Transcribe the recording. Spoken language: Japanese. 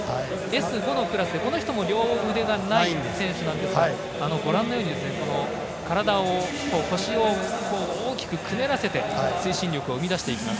Ｓ５のクラスで、この人も両腕がない選手なんですが体を腰を大きく、くねらせて推進力を生み出していきます。